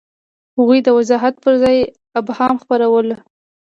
هغوی د وضاحت پر ځای ابهام خپرولو.